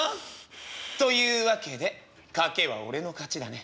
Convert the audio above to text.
「というわけで賭けは俺の勝ちだね。